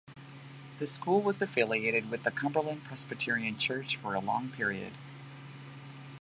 The school was affiliated with the Cumberland Presbyterian Church for a long period.